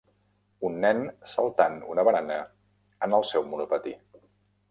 Un nen saltant una barana en el seu monopatí.